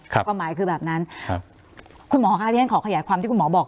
ความหมายคือแบบนั้นครับคุณหมอค่ะที่ฉันขอขยายความที่คุณหมอบอก